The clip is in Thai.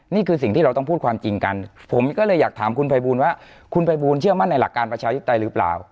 นี่คือสิ่งที่เราต้องพูดความจริงกันผมก็เลยอยากถามคุณภัยบูลว่าคุณภัยบูลเชื่อมั่นในหลักการประชาธิปไตยหรือเปล่า